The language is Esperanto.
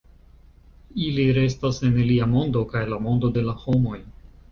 Ili restas en ilia mondo, kaj la mondo de la homoj.